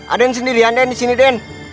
ah den sendirian den disini den